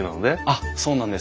あっそうなんです。